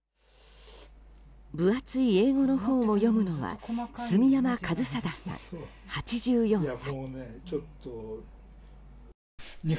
分厚い英語の本を読むのは住山一貞さん、８４歳。